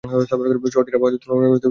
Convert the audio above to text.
শহরটির আবহাওয়া তুলনামূলকভাবে শুষ্ক থাকে।